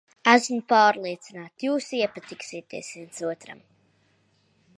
Esmu pārliecināta, jūs iepatiksieties viens otram.